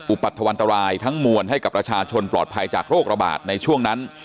อุปัทธวรรณตรายทั้งมวลให้กับประชาชนปลอดภัยจากโรคระบาดในช่วงนั้น